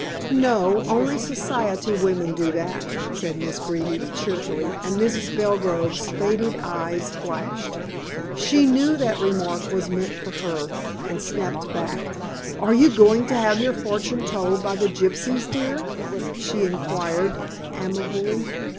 "No. Only society women do that," said Miss Greeby cheerfully, and Mrs. Belgrove's faded eyes flashed. She knew that the remark was meant for her, and snapped back. "Are you going to have your fortune told by the gypsies, dear?" she inquired amiably.